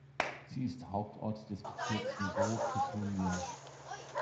Sie ist Hauptort des Bezirks Ngo-Ketunjia.